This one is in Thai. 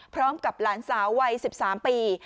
พร้อมกับหลานสาววัย๑๓ปี